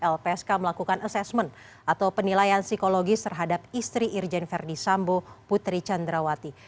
lpsk melakukan asesmen atau penilaian psikologis terhadap istri irjen verdi sambo putri candrawati